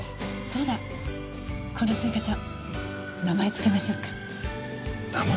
そうだこのスイカちゃん名前つけましょうか。名前？